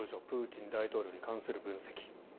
プーチン大統領に関する分析。